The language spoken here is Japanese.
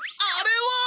あれは！